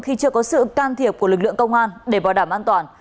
khi chưa có sự can thiệp của lực lượng công an để bảo đảm an toàn